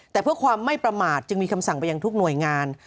แต่เพื่อความไม่ประมาทจึงมีคำสั่งไปยังทุกหน่วยงาน